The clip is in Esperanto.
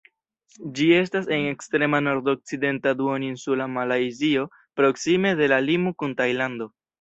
Ĝi estas en ekstrema nordokcidenta Duoninsula Malajzio, proksime de la limo kun Tajlando.